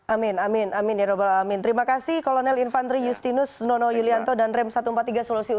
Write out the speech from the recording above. amin amin amin ya rabbal alamin terima kasih kolonel infanteri yustinus nono yulianto dan rem satu ratus empat puluh tiga solusi utara atas informasinya